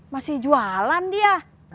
masih jualan dia